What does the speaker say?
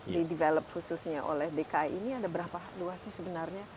didevelop khususnya oleh dki ini ada berapa luasnya sebenarnya